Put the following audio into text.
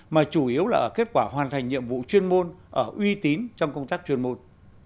mà chủ yếu là ở kết quả hoàn thành nhiệm vụ chuyên môn ở uy tín trong công tác chuyên môn